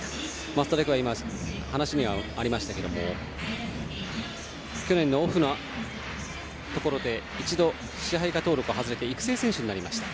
増田陸は今、話にありましたが去年のオフに一度、支配下登録外れて育成選手になりました。